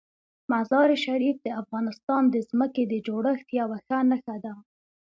مزارشریف د افغانستان د ځمکې د جوړښت یوه ښه نښه ده.